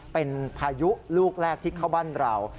เป็นพายุลูกแรกที่เข้าบ้านเรา